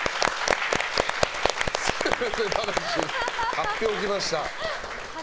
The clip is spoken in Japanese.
貼っておきました。